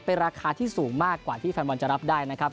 เป็นราคาที่สูงมากกว่าที่แฟนบอลจะรับได้นะครับ